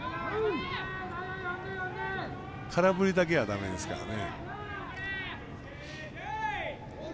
空振りだけは、だめですからね。